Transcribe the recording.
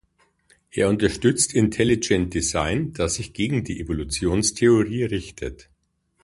Er unterstützt Intelligent Design, das sich gegen die Evolutionstheorie richtet.